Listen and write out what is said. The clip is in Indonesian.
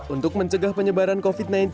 untuk mencegah penyebaran covid sembilan belas